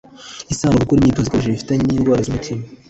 isano gukora imyitozo ikabije bifitanye n'indwara z'umutima